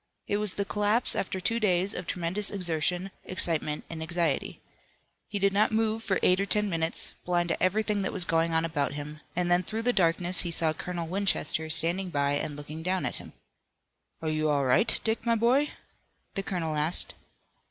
It was the collapse after two days of tremendous exertion, excitement and anxiety. He did not move for eight or ten minutes, blind to everything that was going on about him, and then through the darkness he saw Colonel Winchester standing by and looking down at him. "Are you all right, Dick, my boy?" the colonel asked.